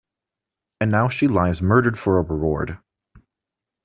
And now she lies murdered for a reward!